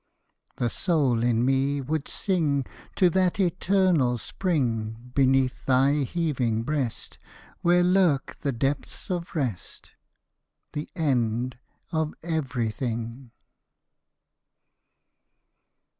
The soul in me would sing To that eternal Spring Beneath thy heaving breast, Where lurk the depths of rest, The end of everything.